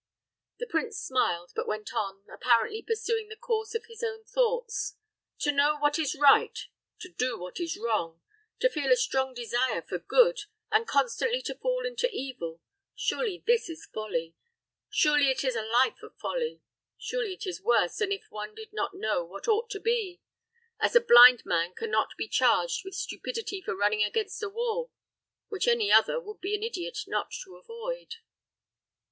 The prince smiled, but went on, apparently pursuing the course of his own thoughts. "To know what is right to do what is wrong to feel a strong desire for good, and constantly to fall into evil, surely this is folly; surely it is a life of folly surely it is worse than if one did not know what ought to be, as a blind man can not be charged with stupidity for running against a wall, which any other would be an idiot not to avoid."